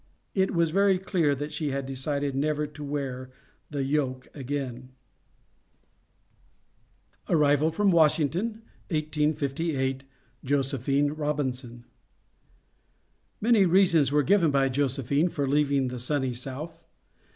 It was very clear that she had decided never to wear the yoke again. ARRIVAL FROM WASHINGTON, 1858. JOSEPHINE ROBINSON. Many reasons were given by Josephine for leaving the sunny South.